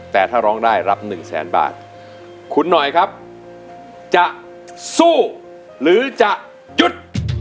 แต่ถ้าร้องได้รับหนึ่งแสนบาทคุณหน่อยครับจะสู้หรือจะหยุด